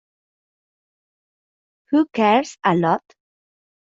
Está dirigido por Juan Antonio Cebrián de Miguel.